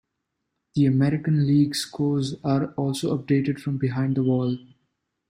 The American League scores are also updated from behind the wall.